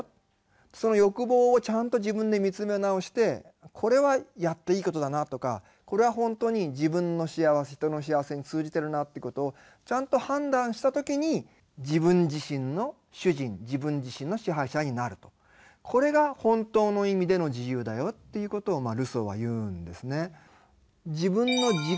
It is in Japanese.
その欲望をちゃんと自分で見つめ直してこれはやっていいことだなとかこれは本当に自分の幸せ人の幸せに通じてるなということをちゃんと判断した時にこれが本当の意味での自由だよということをルソーは言うんですね。